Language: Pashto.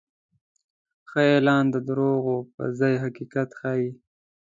ښه اعلان د دروغو پر ځای حقیقت ښيي.